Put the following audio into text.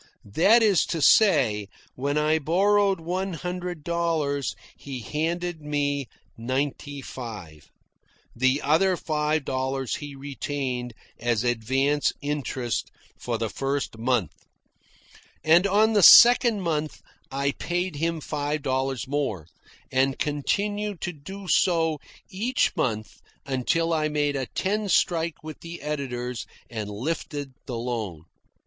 That is to say, when I borrowed one hundred dollars, he handed me ninety five. The other five dollars he retained as advance interest for the first month. And on the second month I paid him five dollars more, and continued so to do each month until I made a ten strike with the editors and lifted the loan.